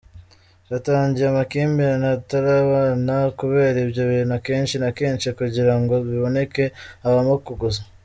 Hatangiye amakimbirane bataranabana kubera ibyo bintu akenshi na kenshi kugira ngo biboneke habamo kuguza.